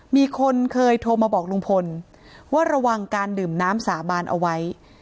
มีคนเคยโทรมาบอกลุงพลว่าระวังการดื่มน้ำสาบานเอาไว้